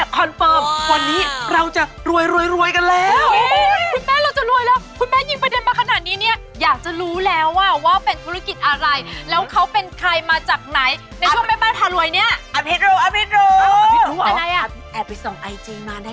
พร้อมปรับทุกปัญหาและประจำนานกับทุกเรื่องทั้งหมด